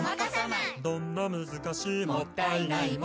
「どんな難しいもったいないも」